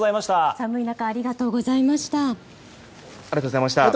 寒い中ありがとうございました。